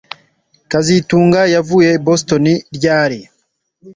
kazitunga yavuye i Boston ryari